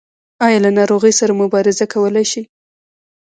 ایا له ناروغۍ سره مبارزه کولی شئ؟